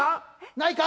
ないか？